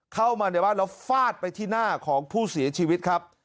เข้ามาในบ้านแล้วฟาดไปที่หน้าของผู้เสียชีวิตครับ